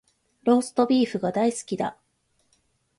ローストビーフが大好きだ